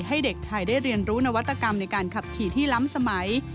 ให้เด็กไทยได้เรียนรู้นวัตกรรมในการขับขี่ที่ล้ำสมัย